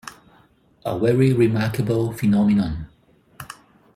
A very remarkable phenomenon.